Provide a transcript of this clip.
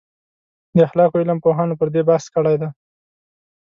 د اخلاقو علم پوهانو پر دې بحث کړی دی.